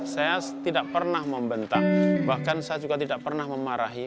saya tidak pernah membentak bahkan saya juga tidak pernah memarahi